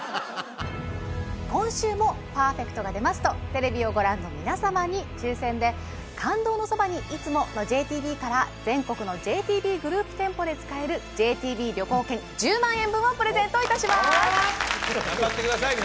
今週もパーフェクトが出ますとテレビをご覧の皆様に抽選で「感動のそばに、いつも。」のＪＴＢから全国のＪＴＢグループ店舗で使えるＪＴＢ旅行券１０万円分をプレゼントいたします頑張ってください